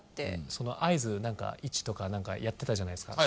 その合図何かイチとか何かやってたじゃないですか